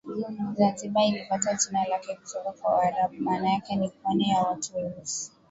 Zanzibar ilipata jina lake kutoka kwa waarabu maana yake ni pwani ya watu weusi